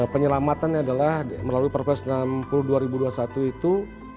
penyelamatan adalah melalui provinsi nomor enam puluh tahun dua ribu dua puluh satu itu